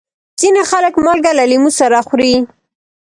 ځینې خلک مالګه له لیمو سره خوري.